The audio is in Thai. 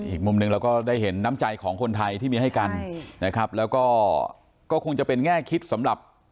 อีกมุมหนึ่งเราก็ได้เห็นน้ำใจที่จะมีให้กันแล้วก็ก็คงจะเป็นแง่คิดสำหรับ